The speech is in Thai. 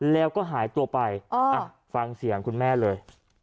แล้วก็หายตัวไปฟังเสียงคุณแม่เลย